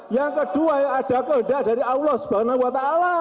yang kedua yang ada kehendak dari allah swt